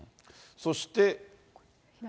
そして。